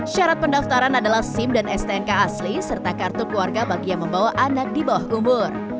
syarat pendaftaran adalah sim dan stnk asli serta kartu keluarga bagi yang membawa anak di bawah umur